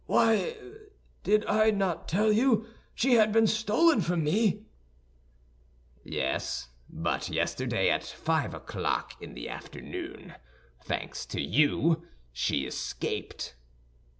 "Why, did not I tell you she had been stolen from me?" "Yes, but yesterday at five o'clock in the afternoon, thanks to you, she escaped."